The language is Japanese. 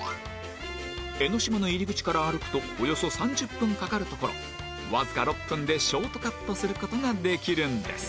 江の島の入り口から歩くとおよそ３０分かかるところわずか６分でショートカットする事ができるんです